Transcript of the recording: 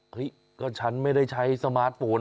เฮ้ยก็ฉันไม่ได้ใช้สมาร์ทโฟน